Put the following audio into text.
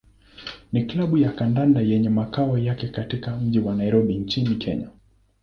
ni klabu ya kandanda yenye makao yake katika mji wa Nairobi nchini Kenya.